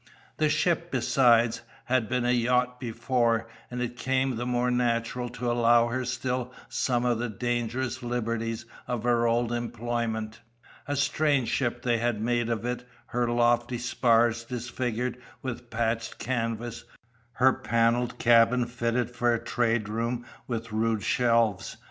The ship, besides, had been a yacht before; and it came the more natural to allow her still some of the dangerous liberties of her old employment. A strange ship they had made of it, her lofty spars disfigured with patched canvas, her panelled cabin fitted for a traderoom with rude shelves.